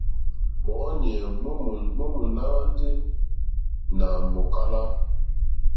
Mɔ̌ɲɛ̀ mó mòná hwɛ́nɛ́ ndí nà è mòkálá.